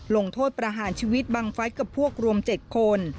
ลงโทษประหารชีวิตบังฟัสกับพวกรวม๗คน